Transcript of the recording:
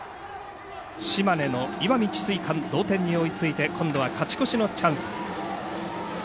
島根の石見智翠館同点に追いついて今度は勝ち越しのチャンス。